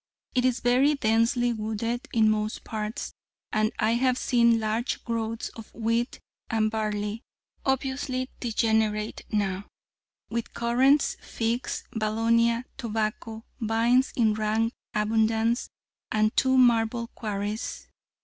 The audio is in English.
It is very densely wooded in most parts, and I have seen large growths of wheat and barley, obviously degenerate now, with currants, figs, valonia, tobacco, vines in rank abundance, and two marble quarries.